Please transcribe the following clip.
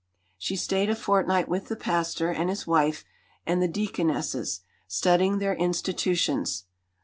She stayed a fortnight with the Pastor and his wife and the Deaconesses, studying their institutions.